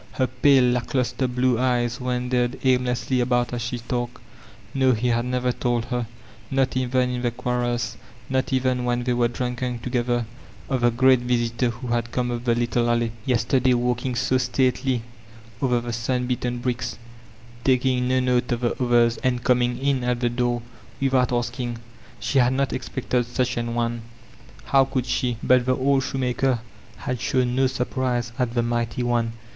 Her pale, lack* lustre blue eyes wandered aimlessly about as she talked: No— he had never toM her, not even m tfieir quarrds, not even when they were drunken together, of the great Visitor who had come np the little alley, yesterday. Ths Old Shobmaxbb 465 walkiQg so statdy over the sun beaten bricks* taking no note of the others, and coming in at the door without asking. She had not expected soch an one; how ooold she? But the Ok! Shoemaker had shown no surprise at the Mighty One.